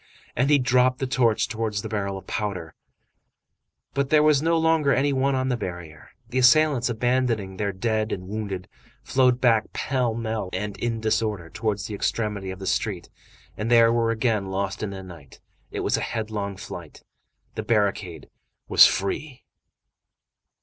And he dropped the torch towards the barrel of powder. But there was no longer any one on the barrier. The assailants, abandoning their dead and wounded, flowed back pell mell and in disorder towards the extremity of the street, and there were again lost in the night. It was a headlong flight. The barricade was free.